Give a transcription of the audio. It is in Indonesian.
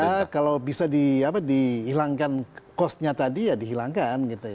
ya kalau bisa dihilangkan kosnya tadi ya dihilangkan gitu ya